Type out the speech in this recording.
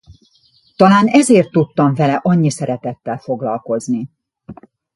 Talán ezért tudtam vele annyi szeretettel foglalkozni.